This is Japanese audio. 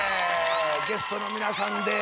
ゲストのみなさんです